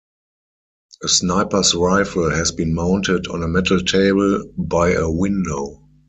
A sniper's rifle has been mounted on a metal table by a window.